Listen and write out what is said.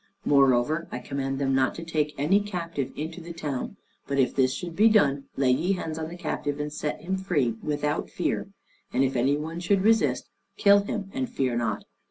Moreover I command them not to take any captive into the town, but if this should be done, lay ye hands on the captive and set him free, without fear, and if any one should resist, kill him and fear not.